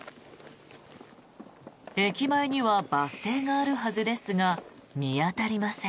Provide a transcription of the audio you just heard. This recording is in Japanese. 駅前にはバス停があるはずですが見当たりません。